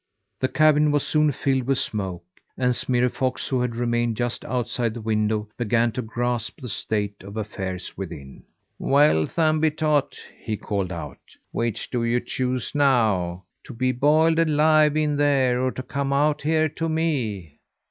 The cabin was soon filled with smoke, and Smirre Fox, who had remained just outside the window, began to grasp the state of affairs within. "Well, Thumbietot," he called out, "which do you choose now: to be broiled alive in there, or to come out here to me?